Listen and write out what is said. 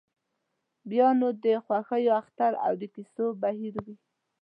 بیا نو د خوښیو اختر او د کیسو بهیر وي.